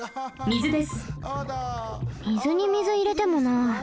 水に水いれてもな。